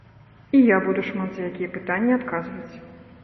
І я буду шмат за якія пытанні адказваць.